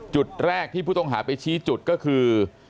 จุดแรกที่ผู้ต้องหาไปชี้จุดก็คือ